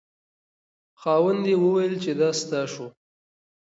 خاوند یې وویل چې دا ستا شو.